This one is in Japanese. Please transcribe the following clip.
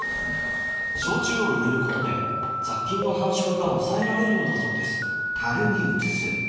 焼酎を入れることで雑菌の繁殖が抑えられるのだそうです。